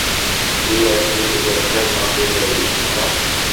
তুই একদিন দুই বাচ্চার মা হয়ে যাবি, মোটা।